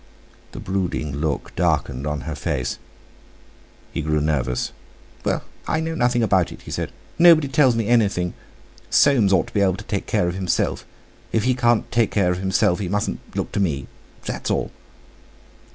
The brooding look darkened on her face; he grew nervous. "Well, I know nothing about it," he said; "nobody tells me anything. Soames ought to be able to take care of himself. If he can't take care of himself he mustn't look to me—that's all."